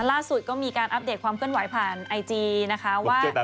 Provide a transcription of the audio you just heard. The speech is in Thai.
ล่าสุดก็มีการอัปเดตความเคลื่อนไหวผ่านไอจีนะคะว่า